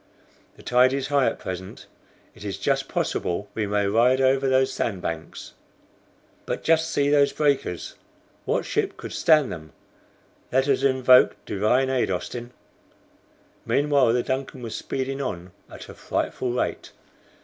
"The tide is high at present, it is just possible we may ride over those sand banks." "But just see those breakers. What ship could stand them. Let us invoke divine aid, Austin!" Meanwhile the DUNCAN was speeding on at a frightful rate.